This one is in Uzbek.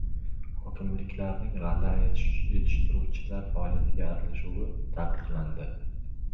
Hokimliklarning g‘alla yetishtiruvchilar faoliyatiga aralashuvi taqiqlanadi